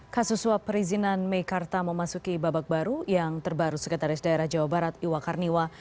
kasus suap perizinan mekarta memasuki babak baru yang terbaru sekretaris daerah jawa barat iwa karniwa